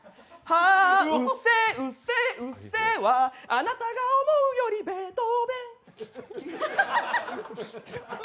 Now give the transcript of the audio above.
はぁ、うっせぇ、うっせぇ、うっせぇわ、あなたが思うよりベートーベン。